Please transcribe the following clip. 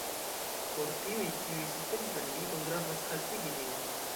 Por tiuj, kiuj suferis la militon, gravas haltigi ĝin.